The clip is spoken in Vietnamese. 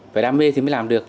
phải đam mê thì mới làm được